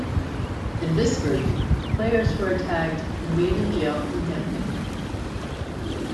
In this version, players who are tagged remain in jail indefinitely.